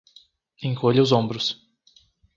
Encolha os ombros